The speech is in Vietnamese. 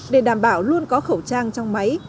để đảm bảo luôn có khẩu trang trong máy